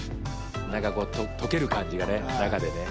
燭こう溶ける感じがね中でね。